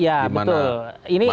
dimana kausir kpk menerima uang itu ya